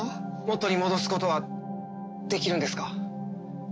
元に戻すことはできるんですか？